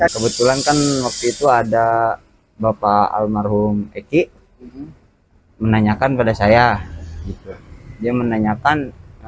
kebetulan kan waktu itu ada bapak almarhum eki menanyakan pada saya dia menanyakan